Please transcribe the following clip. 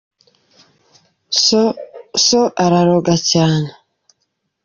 so araroga cyane.